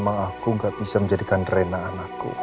ren kenapa ren